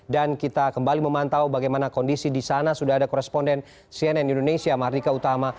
dan kita kembali memantau bagaimana kondisi di sana sudah ada koresponden cnn indonesia mardika utama